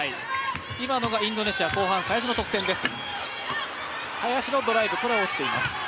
今のがインドネシア後半、最初の得点です。